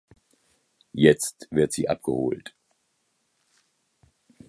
Jetzt wird sie abgeholt.